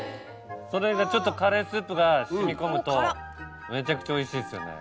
それがちょっとカレースープが染み込むとめちゃくちゃおいしいですよね。